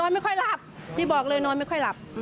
ไม่ค่อยหลับที่บอกเลยนอนไม่ค่อยหลับ